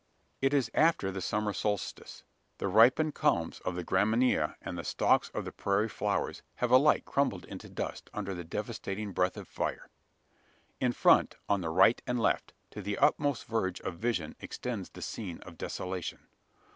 It is after the summer solstice. The ripened culms of the gramineae, and the stalks of the prairie flowers, have alike crumbled into dust under the devastating breath of fire. In front on the right and left to the utmost verge of vision extends the scene of desolation.